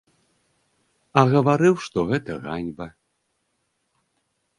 А гаварыў, што гэта ганьба.